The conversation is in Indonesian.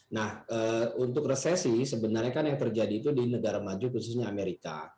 nah untuk resesi sebenarnya kan yang terjadi itu di negara maju khususnya amerika